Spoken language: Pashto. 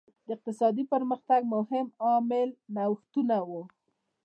د اقتصادي پرمختګ مهم عامل نوښتونه وو.